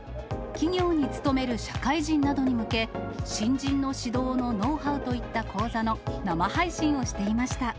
企業に勤める社会人などに向け、新人の指導のノウハウといった講座の生配信をしていました。